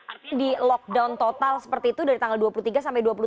artinya di lockdown total seperti itu dari tanggal dua puluh tiga sampai dua puluh tiga